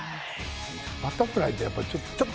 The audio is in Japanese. バタフライってやっぱりちょっと。